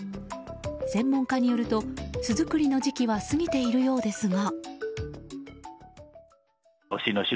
専門家によると、巣作りの時期は過ぎているようですが。